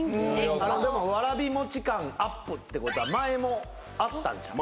でも「わらびもち感ＵＰ！」ってことは前もあったんちゃう？